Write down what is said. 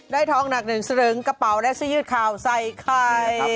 ได้ทองหนักหนึ่งเสริงกระเป๋าและซื้อยืดข่าวใส่ใคร